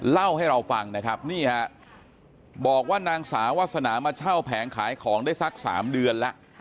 เล่าให้เราฟังนะครับนี่ฮะบอกว่านางสาววาสนามาเช่าแผงขายของได้สัก๓เดือนแล้ว